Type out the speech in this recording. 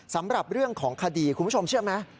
สำหรับเรื่องของคดีคุณผู้ชมเชื่อไหม